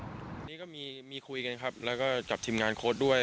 ตอนนี้ก็มีคุยกันครับกับทีมงานโค้ดด้วย